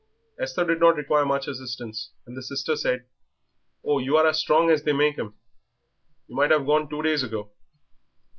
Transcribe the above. Esther did not require much assistance, and the sister said, "Oh, you are as strong as they make 'em; you might have gone two days ago."